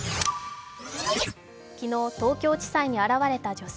昨日、東京地裁に現れた女性。